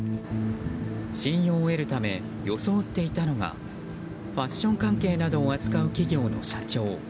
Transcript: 信用を得るため、装っていたのがファッション関係などを扱う企業の社長。